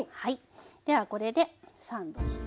ではこれでサンドして。